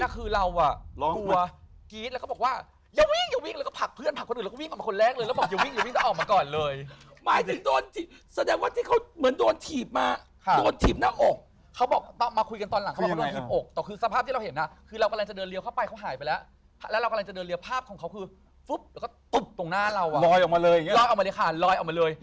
เขาลอยมาเป็นท่านเนี้ยตรงหน้าเราคือลอยมาปั๊บแล้วก็ตกตรงเนี้ย